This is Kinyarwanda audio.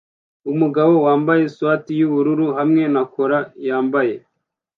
Umugabo wambaye swater yubururu hamwe na cola yambaye